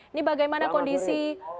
ini bagaimana kondisi